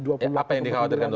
apa yang dikhawatirkan